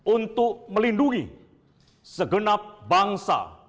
untuk melindungi segenap bangsa